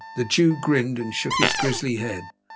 The Jew grinned, and shook his grisly head.